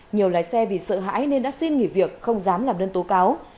nhiều lái xe vì sợ hãi nên đã xin nghỉ việc không dám làm đơn tố cáo